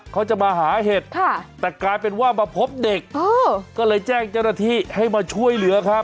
เขาจะมาหาเห็ดแต่กลายเป็นว่ามาพบเด็กก็เลยแจ้งเจ้าหน้าที่ให้มาช่วยเหลือครับ